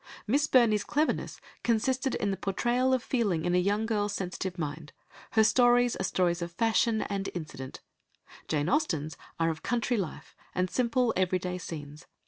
Miss Burney's cleverness consisted in the portrayal of feeling in a young girl's sensitive mind, her stories are stories of fashion and incident; Jane Austen's are of country life, and simple everyday scenes.